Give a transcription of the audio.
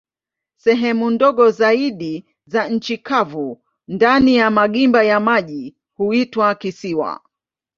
Sehemu ndogo zaidi za nchi kavu ndani ya magimba ya maji huitwa kisiwa.